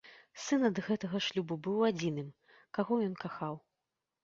Сын ад гэтага шлюбу быў адзіным, каго ён кахаў.